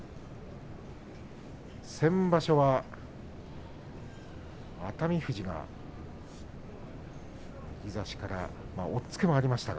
先場所は熱海富士が右差しから押っつけもありました。